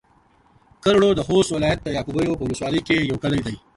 کرړو د خوست ولايت د يعقوبيو په ولسوالۍ کې يو کلی دی